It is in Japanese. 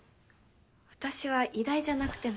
私は医大じゃなくても。